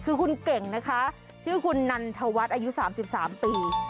คือคุณเก่งนะคะชื่อคุณนันทวัฒน์อายุ๓๓ปี